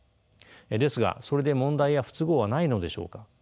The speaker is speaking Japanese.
ですがそれで問題や不都合はないのでしょうか。